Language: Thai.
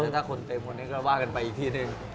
ถ้าคนเต็มคนนี้ก็ว่ากันไปอีกที่หนึ่ง